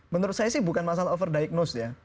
menurut saya sih bukan masalah over diagnose ya